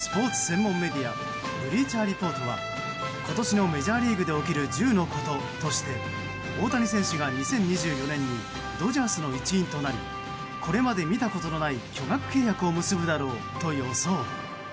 スポーツ専門メディアブリーチャーリポートは今年のメジャーリーグで起きる１０のこととして大谷選手が２０２４年にドジャースの一員となりこれまで見たことのない巨額契約を結ぶだろうと予想。